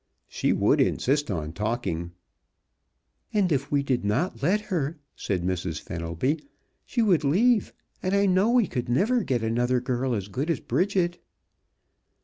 She would insist on talking." "And if we did not let her," said Mrs. Fenelby, "she would leave, and I know we could never get another girl as good as Bridget."